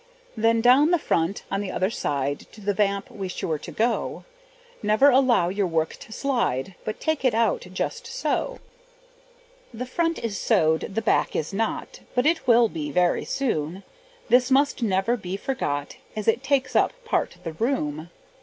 Then down the front on the other side, To the vamp be sure to go; Never allow your work to slide, But take it out just so. The front is sewed, the back is not, But it will be very soon; This must never be forgot, As it takes up part the room.